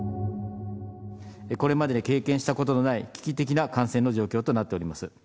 これまでに経験したことのない、危機的な感染の状況となっております。